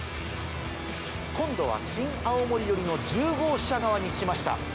今度は新青森寄りの１０号車側に来ました。